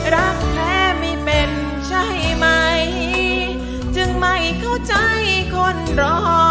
รักแท้ไม่เป็นใช่ไหมจึงไม่เข้าใจคนรอ